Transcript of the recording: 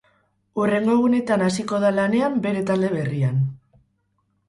Hurrengo egunetan hasiko da lanean bere talde berrian.